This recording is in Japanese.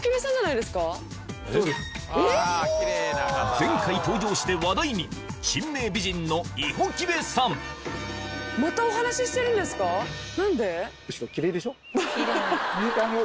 前回登場して話題に珍名美人の五百旗頭さんハハハ。